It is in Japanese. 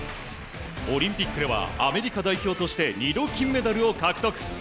オリンピックではアメリカ代表として２度、金メダルを獲得。